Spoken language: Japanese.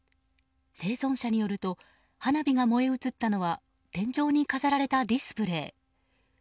生存者によると花火が燃え移ったのは天井に飾られたディスプレー。